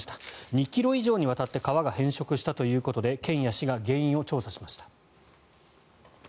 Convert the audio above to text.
２ｋｍ以上にわたって川が変色したということで県や市が原因を調査しました。